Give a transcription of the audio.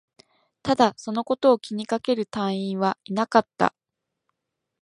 ただ、そのことを気にかける隊員はいなかった